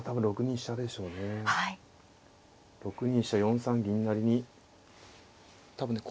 ６二飛車４三銀成に多分ね